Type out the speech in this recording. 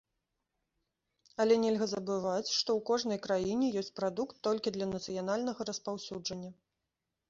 Але нельга забываць, што ў кожнай краіне ёсць прадукт толькі для нацыянальнага распаўсюджання.